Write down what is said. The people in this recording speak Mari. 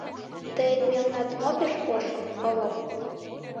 — Тыйын мелнат мо пеш ошо, Овоп?